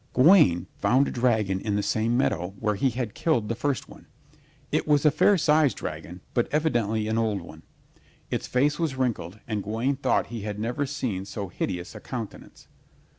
Gawaine found a dragon in the same meadow where he had killed the first one. It was a fair sized dragon, but evidently an old one. Its face was wrinkled and Gawaine thought he had never seen so hideous a countenance.